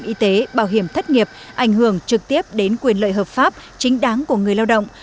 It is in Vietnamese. y tế bảo hiểm thất nghiệp ảnh hưởng trực tiếp đến quyền lợi hợp pháp chính đáng của người lao động